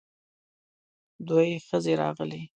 دوې ښځې راغلې.